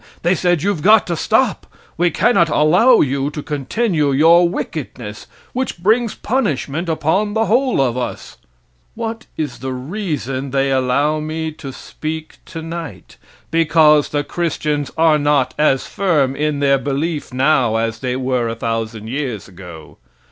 They said you've got to stop. We cannot allow you to continue your wickedness, which brings punishment upon the whole of us. What is the reason they allow me to speak tonight. Because the Christians are not as firm in their belief now as they were a thousand years ago.